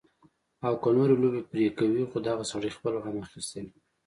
او کۀ نورې لوبې پرې کوي خو دغه سړے خپل غم اخستے وي